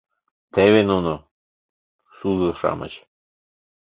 Теве нуно... сузо-шамыч...